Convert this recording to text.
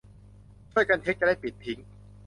ช่วยกันเช็ค จะได้ปิดทิ้ง